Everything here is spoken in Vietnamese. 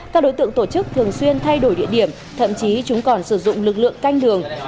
các đối tượng tổ chức thường xuyên thay đổi địa điểm thậm chí chúng còn sử dụng lực lượng canh đường